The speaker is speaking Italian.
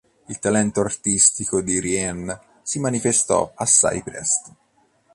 Il talento artistico di Rien si manifestò assai presto.